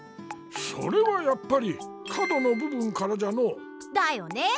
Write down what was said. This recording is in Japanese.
それはやっぱり角のぶ分からじゃの。だよね。